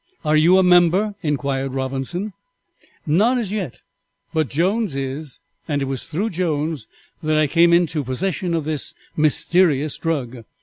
"Are you a member?" inquired Robinson. "Not as yet, but Jones is, and it was through Jones that I came into possession of this mysterious drug.